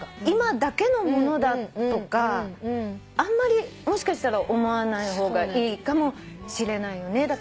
今だけのものだとかあんまりもしかしたら思わない方がいいかもしれないよね。